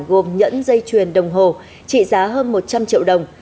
gồm nhẫn dây chuyền đồng hồ trị giá hơn một trăm linh triệu đồng